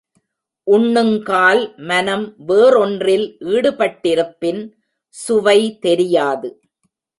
உண்ணுங்கால் மனம் வேறொன்றில் ஈடுபட்டிருப்பின் சுவை தெரியாது.